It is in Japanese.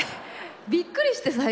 びっくりして最初。